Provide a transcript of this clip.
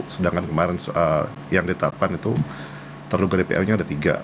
sedangkan kemarin yang ditetapkan itu terduga dpl nya ada tiga